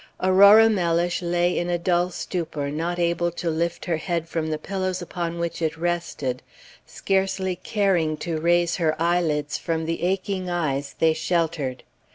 Aurora Mellish lay in a dull stupor, not able to lift her head from the pillows upon which it rested, scarcely caring to raise her eyelids from the aching eyes they sheltered.